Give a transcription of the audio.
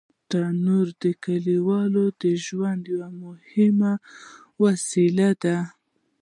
تنور د کلیوالو د ژوند یو مهم وسیله ده